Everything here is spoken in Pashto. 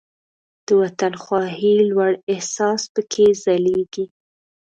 د وطن خواهۍ لوړ احساس پکې ځلیږي.